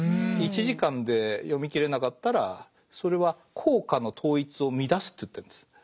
１時間で読みきれなかったらそれは効果の統一を乱すと言ってるんです。